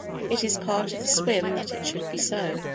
It is part of the swim that it should be so.